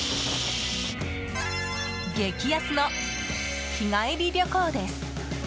激安の日帰り旅行です！